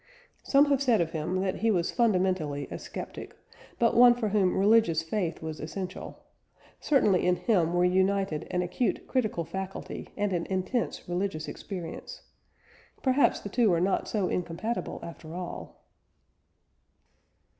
Some have said of him that he was fundamentally a sceptic, but one for whom religious faith was essential; certainly in him were united an acute critical faculty and an intense religious experience. Perhaps the two are not so incompatible after all.